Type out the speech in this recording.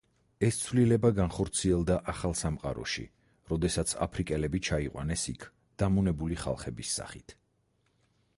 ეს ცვლილება განხორციელდა ახალ სამყაროში, როდესაც აფრიკელები ჩაიყვანეს იქ, დამონებული ხალხების სახით.